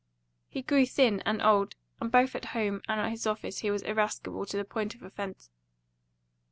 He grew thin and old, and both at home and at his office he was irascible to the point of offence.